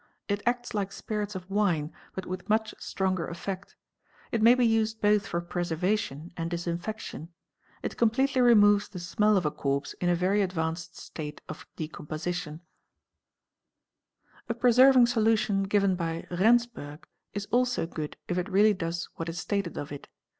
It acts like tits of wine but with much stronger effect. It may be used both for servation and disinfection. It completely removes the smell of a se in a very advanced state of decomposition "%—1%, ee ee ee ae Py 8 a> § a. 160 | THE EXPERT A preserving solution given by Rensburg is also good if it really does what is stated of it.